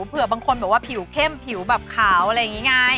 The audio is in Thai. เผื่อบางคนแบบว่าผิวเข้มผิวแบบขาวอะไรงี้ง่าย